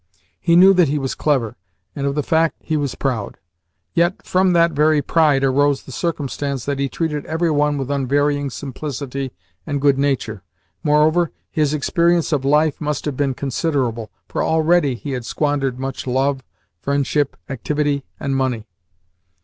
He knew that he was clever, and of the fact he was proud; yet from that very pride arose the circumstance that he treated every one with unvarying simplicity and good nature. Moreover, his experience of life must have been considerable, for already he had squandered much love, friendship, activity, and money.